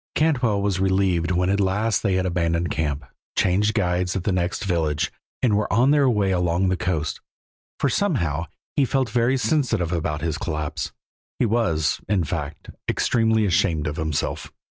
Cantwell was relieved when at last they had abandoned camp, changed guides at the next village, and were on their way along the coast, for somehow he felt very sensitive about his collapse. He was, in fact, extremely ashamed of himself.